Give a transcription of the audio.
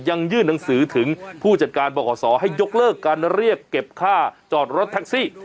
ยื่นหนังสือถึงผู้จัดการบอกขอสอให้ยกเลิกการเรียกเก็บค่าจอดรถแท็กซี่